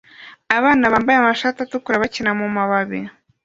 Abana bambaye amashati atukura bakina mumababi